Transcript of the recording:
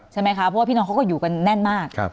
ใช่ไหมคะเพราะว่าพี่น้องเขาก็อยู่กันแน่นมาก